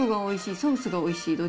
ソースがおいしい？